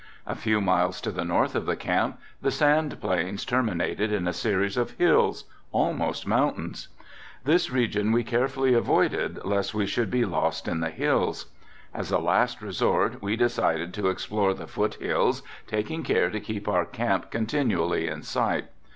A few miles to the north of the camp the sand plains terminated in a series of hills, almost mountains. This region we carefully avoided lest we should be lost in the hills. As a last resort we decided to explore the foot hills, taking care to keep our camp continually in sight.